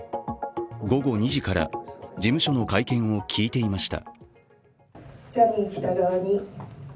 午後２時から事務所の会見を聞いていました。